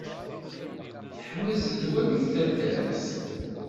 Teḥma zzedwa deg taddart!